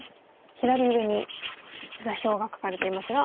左上に座標が書かれていますが。